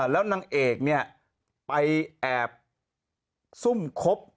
แล้วนางเอกเนี่ยไปแอบซุ่มคบ